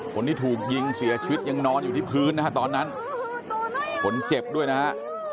คนที่ถูกยิงเสียชีวิตยังนอนอยู่ที่พื้นนะฮะตอนนั้นคนเจ็บด้วยนะฮะ